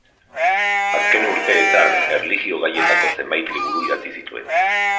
Azken urteetan erlijio gaietako zenbait liburu idatzi zituen.